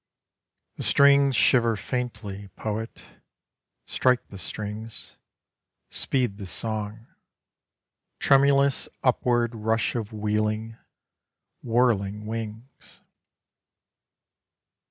The strings shiver faintly, poet: Strike the strings, Speed the song: Tremulous upward rush of wheeling, whirling wings.